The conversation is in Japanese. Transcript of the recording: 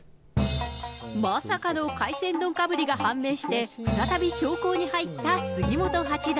まさかの海鮮丼かぶりが判明して、再び長考に入った杉本八段。